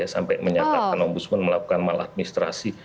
sampai menyatakan ombudsman melakukan maladministrasi